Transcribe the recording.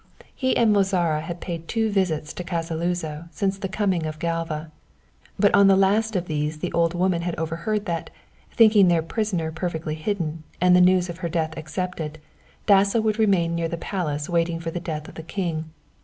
He and Mozara had paid two visits to Casa Luzo since the coming of Galva, but on the last of these the old woman had overheard that, thinking their prisoner perfectly hidden, and the news of her death accepted, Dasso would remain near the Palace waiting for the death of the king.